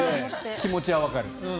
気持ちはわかる。